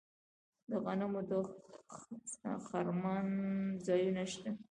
د غنمو د خرمن ځایونه شته.